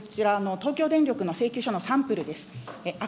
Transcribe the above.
これ、こちら東京電力の請求書のサンプルです。